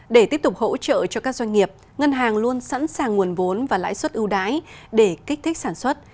để tiếp tục hỗ trợ cho các doanh nghiệp ngân hàng luôn sẵn sàng nguồn vốn và lãi suất ưu đãi để kích thích sản xuất